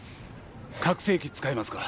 拡声器使いますか？